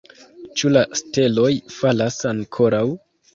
Ĉu la steloj falas ankoraŭ?